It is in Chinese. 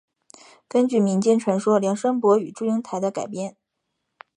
根据民间传说梁山伯与祝英台的改编。